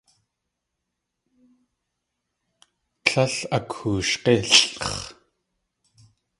Tlél akooshg̲ílʼx̲.